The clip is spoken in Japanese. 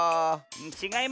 ちがいますね。